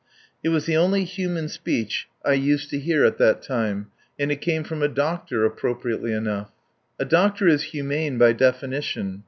..." It was the only humane speech I used to hear at that time. And it came from a doctor, appropriately enough. A doctor is humane by definition.